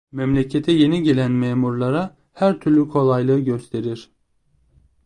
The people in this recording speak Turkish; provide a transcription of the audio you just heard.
Memlekete yeni gelen memurlara her türlü kolaylığı gösterir…